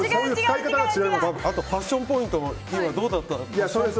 あとパッションポイントも今どうだった。